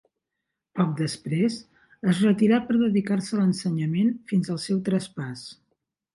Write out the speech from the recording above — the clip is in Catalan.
Poc després, es retirà per dedicar-se a l'ensenyament fins al seu traspàs.